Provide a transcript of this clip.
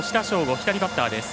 左バッターです。